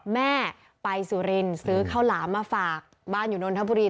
แม่ไปสุรินทร์ซื้อข้าวหลามมาฝากบ้านอยู่นนทบุรี